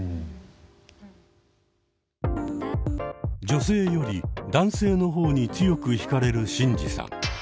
女性より男性の方に強くひかれるシンジさん。